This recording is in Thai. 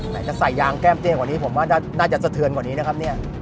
ไหนจะใส่ยางแก้มเตี้ยกว่านี้ผมว่าน่าจะสะเทือนกว่านี้นะครับเนี่ย